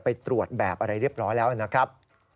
ไปตรวจแบบอะไรเรียบร้อยแล้วนะครับ